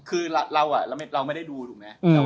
แอะใช่ไหมคือเราเนี่ยเราไม่ได้ดูถูกไหม